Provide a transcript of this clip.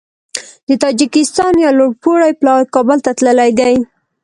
د تاجکستان یو لوړپوړی پلاوی کابل ته تللی دی